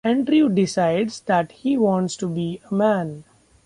Andrew decides that he wants to be a man.